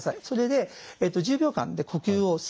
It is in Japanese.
それで１０秒間で呼吸を。